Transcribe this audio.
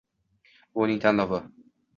Bu uning tanlovi.